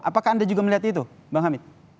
apakah anda juga melihat itu bang hamid